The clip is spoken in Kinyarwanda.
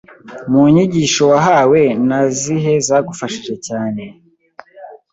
Mu nyigisho wahawe nazihe zagufashije cyane